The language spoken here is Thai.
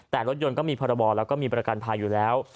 แต่รถยนต์ก็มีพรบแล้วก็มีประกันภัยอยู่แล้ว